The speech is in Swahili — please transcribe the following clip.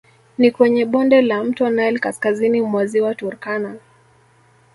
Ni kwenye bonde la mto Nile kaskazini mwa ziwa Turkana